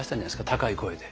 高い声で。